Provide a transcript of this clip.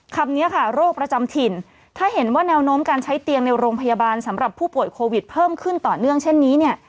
คำนี้ค่ะโรคประจำถิ่นถ้าเห็นว่าแนวโน้มการใช้เตียงในโรงพยาบาลสำหรับผู้ป่วยโควิดเพิ่มขึ้นต่อเนื่องเช่นนี้เนี่ย